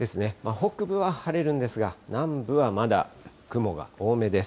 北部は晴れるんですが、南部はまだ雲が多めです。